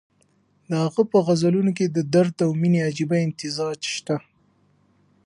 د هغه په غزلونو کې د درد او مېنې عجیبه امتزاج شته.